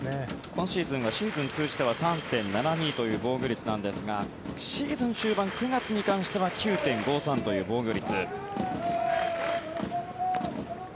今シーズンはシーズン通じては３．７２という防御率なんですがシーズン終盤、９月に関しては９．５３という防御率。